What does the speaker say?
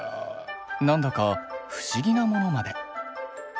なんだか不思議なものまで。